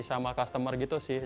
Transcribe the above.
sama customer gitu sih